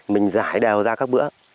mình giải đều ra các bữa